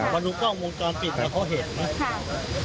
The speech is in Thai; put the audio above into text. มาดูกล้องมุมตรอนปิดเขาเห็นมั้ย